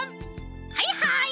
はいはい